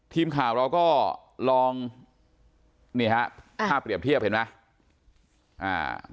ทีมข่าวเราก็ลองนี่ฮะถ้าเปรียบเทียบเห็นไหมอ่า